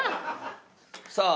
さあ。